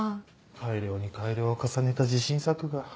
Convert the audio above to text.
改良に改良を重ねた自信作が。